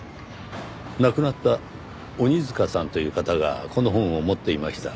亡くなった鬼塚さんという方がこの本を持っていました。